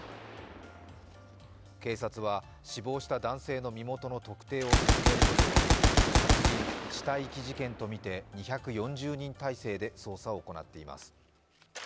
警察は死亡した男性の身元の特定を進めるとともに殺人・死体遺棄事件とみて２４０人態勢で捜査を行っています。